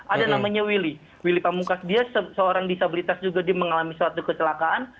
ada namanya willy willy pamungkas dia seorang disabilitas juga dia mengalami suatu kecelakaan